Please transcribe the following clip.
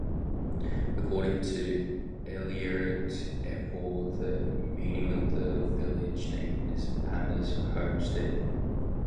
According to Eilert Ekwall the meaning of the village name is Amma's homestead.